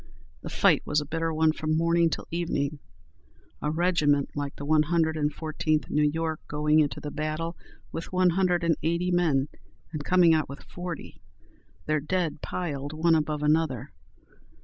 The fight was a bitter one from morning till evening, a regiment like the One Hundred and Fourteenth New York going into the battle with one hundred and eighty men, and coming out with forty, their dead piled one above another!